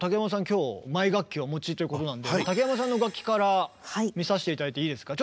今日マイ楽器をお持ちということなんで竹山さんの楽器から見させて頂いていいですか？